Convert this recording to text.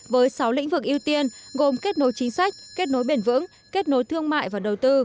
với sáu lĩnh vực ưu tiên gồm kết nối chính sách kết nối bền vững kết nối thương mại và đầu tư